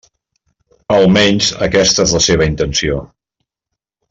Almenys aquesta és la seva intenció.